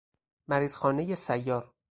مریض خانه سیار